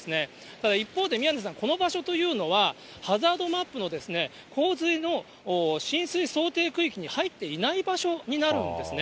ただ一方で、宮根さん、この場所というのは、ハザードマップの洪水の浸水想定区域に入っていない場所になるんですね。